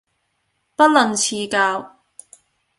不吝賜教